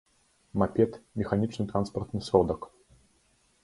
мапед — механічны транспартны сродак